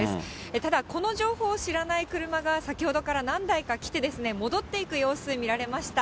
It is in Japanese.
ただ、この情報を知らない車が先ほどから何台か来て、戻っていく様子、見られました。